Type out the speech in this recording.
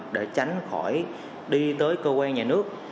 để tránh khỏi đi tới cơ quan nhà nước